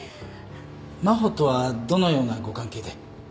真帆とはどのようなご関係で？